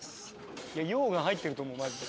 溶岩入ってると思うマジで。